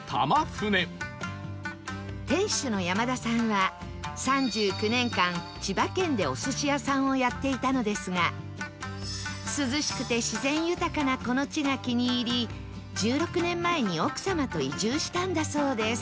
店主の山田さんは３９年間千葉県でお寿司屋さんをやっていたのですが涼しくて自然豊かなこの地が気に入り１６年前に奥様と移住したんだそうです